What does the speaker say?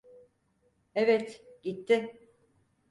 Evet, gitti.